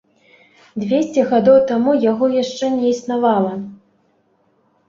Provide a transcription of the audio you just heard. Дзвесце гадоў таму яго яшчэ не існавала.